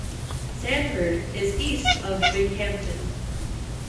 Sanford is east of Binghamton.